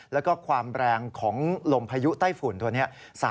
แล้วก็ความแรงของลมพายุไต้ฝุ่นตัวนี้